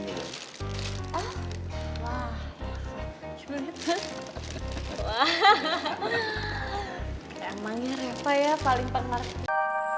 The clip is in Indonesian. emangnya reva ya paling pengaruh